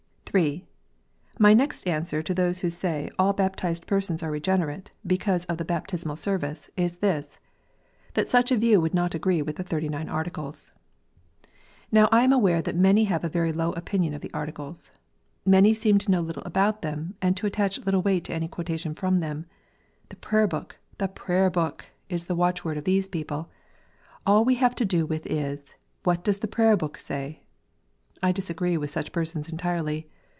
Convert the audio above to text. III. My next answer to those who say all baptized persons 144 KNOTS UNTIED. are regenerate, because of the Baptismal Service, is this, that such a view would not agree witli the Thirty nine Articles. Now I am aware that many have a very low opinion of the Articles. Many seem to know little about them, and to attach little weight to any quotation from them. " The Prayer book ! the Prayer book !" is the watch word of these people ;" all we have to do with is, what does the Prayer book say ?" I disagree with such persons entirely.